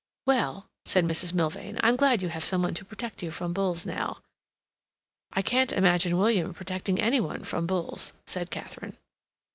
"Well," said Mrs. Milvain, "I'm glad you have some one to protect you from bulls now." "I can't imagine William protecting any one from bulls," said Katharine.